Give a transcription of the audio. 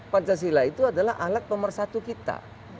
pancasila itu adalah alat pemersatu kita